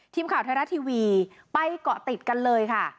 ทีมข่าวไทยรัฐทีวีไปเกาะติดกันเลยค่ะ